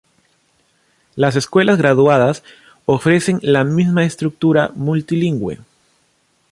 Las escuelas graduadas ofrecen la misma estructura multilingüe.